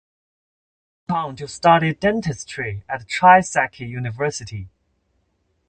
She went on to study dentistry at Trisakti University.